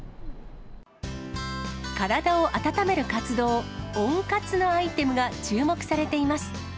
体を温める活動、温活のアイテムが注目されています。